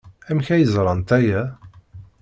Amek ay ẓrant aya?